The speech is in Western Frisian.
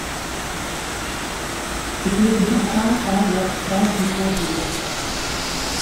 Ik hie der gjin aan fan wêr't it frommes it oer hie.